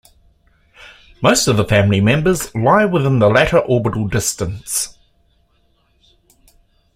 Most of the family members lie within the latter orbital distance.